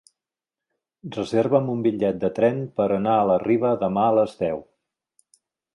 Reserva'm un bitllet de tren per anar a la Riba demà a les deu.